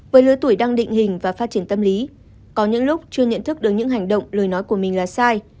với lứa tuổi đang định hình và phát triển tâm lý có những lúc chưa nhận thức được những hành động lời nói của mình là sai